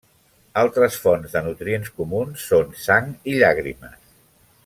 Altres fonts de nutrients comuns són sang i llàgrimes.